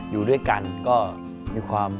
อยู่ด้วยกันก็มีความ